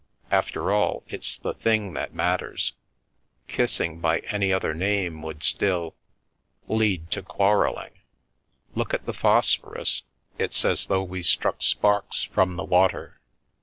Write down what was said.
"After all, it's the thing that matters. Kissing by any other name would still " "Lead to quarrelling. Look at the phosphorus, it's as though we struck sparks from the water."